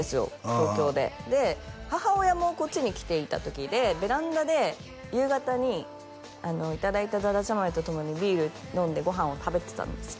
東京でで母親もこっちに来ていた時でベランダで夕方にいただいただだちゃ豆と共にビール飲んでご飯を食べてたんですよ